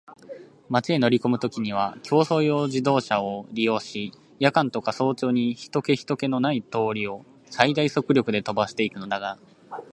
町へ乗りこむときには競走用自動車を利用し、夜間とか早朝に人気ひとけのない通りを最大速力で飛ばしていくのだが、